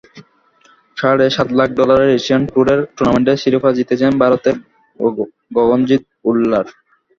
সাড়ে সাত লাখ ডলারের এশিয়ান ট্যুরের টুর্নামেন্টের শিরোপা জিতেছেন ভারতের গগনজিৎ ভুল্লার।